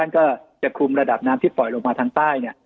ก็จะคุมระดับน้ำที่ปล่อยลงมาทางใต้